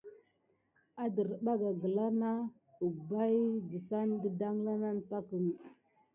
Adərbaga gəla na əbbaʼi assane də daŋla nane pakə.